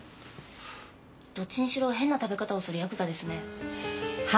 どっちにしろ変な食べ方をするヤクザですね。